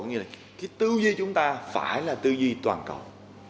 nghĩa là cái tư duy chúng ta phải là tư duy toàn cầu